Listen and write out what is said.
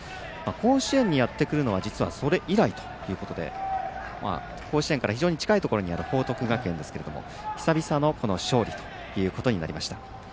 甲子園にやってくるのは実はそれ以来ということで甲子園から非常に近いところにある報徳学園ですけれども久々の勝利ということになりました。